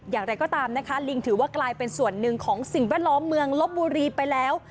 อย่างไรก็ตามนะคะลิงถือว่ากลายเป็นส่วนหนึ่งของสิ่งแวดล้อมเมืองลบบุรีไปแล้ว